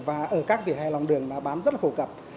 và ở các vỉa hè lòng đường bán rất phổ cập